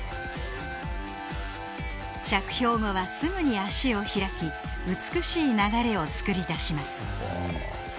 着氷後はすぐに足を開き美しい流れを作り出します